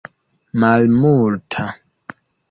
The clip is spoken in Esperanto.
malmulta